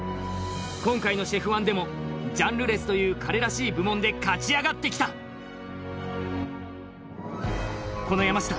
今回のＣＨＥＦ−１でもジャンルレ彼らしい部門で勝ち上がってきたこの山下